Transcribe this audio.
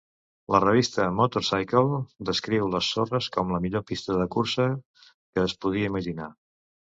La revista "Motor Cycle" descriu les sorres com "la millor pista de cursa que es podria imaginar".